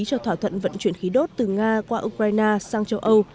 cho thỏa thuận vận chuyển khí đốt từ nga qua ukraine sang châu âu